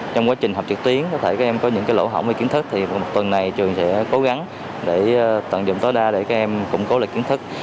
trong quá trình học trực tuyến có thể các em có những lỗ hỏng hay kiến thức thì một tuần này trường sẽ cố gắng để tận dụng tối đa để các em củng cố lại kiến thức